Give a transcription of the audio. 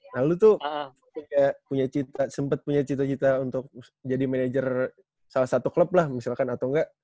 nah lu tuh kayak sempat punya cita cita untuk jadi manajer salah satu klub lah misalkan atau enggak